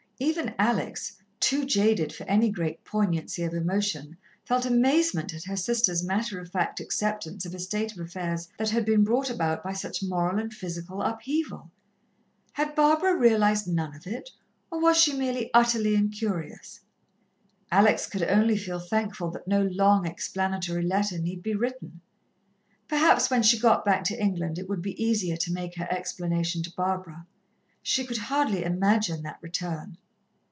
Even Alex, too jaded for any great poignancy of emotion, felt amazement at her sister's matter of fact acceptance of a state of affairs that had been brought about by such moral and physical upheaval. Had Barbara realized none of it, or was she merely utterly incurious? Alex could only feel thankful that no long, explanatory letter need be written. Perhaps when she got back to England it would be easier to make her explanation to Barbara. She could hardly imagine that return.